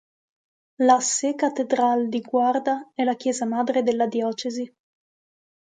La "Sé Catedral", di Guarda è la chiesa madre della diocesi.